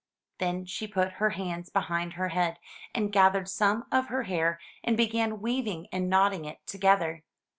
Then she put her hands behind her head, and gathered some of her hair, and began weaving and knotting it together.